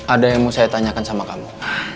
ada yang mau saya tanyakan sama kamu